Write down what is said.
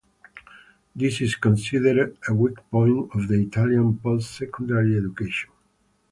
This is considered a weak point of the Italian post-secondary education.